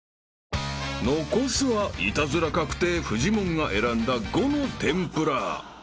［残すはイタズラ確定フジモンが選んだ伍の天ぷら］